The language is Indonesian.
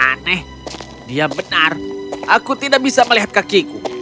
aneh dia benar aku tidak bisa melihat kakiku